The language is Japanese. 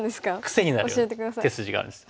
癖になる手筋があるんです。